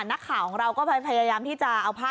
นักข่าวของเราก็พยายามที่จะเอาภาพ